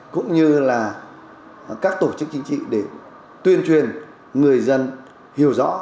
cũng như là các tổ chức chính trị để tuyên truyền người dân hiểu rõ